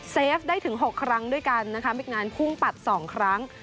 เฟฟได้ถึง๖ครั้งด้วยกันนะคะมีงานพุ่งปัด๒ครั้ง